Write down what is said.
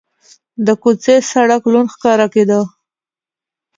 د کوڅې سړک لوند ښکاره کېده.